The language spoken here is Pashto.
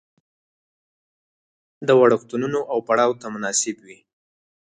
د وړکتونونو او پړاو ته مناسب وي.